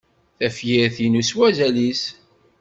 Tafyir-inu s wazal-is!